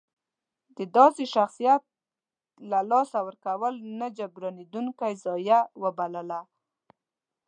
د داسې شخصیت له لاسه ورکول نه جبرانېدونکې ضایعه وبلله.